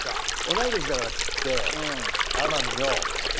同い年だからって「天海よ」とかさ。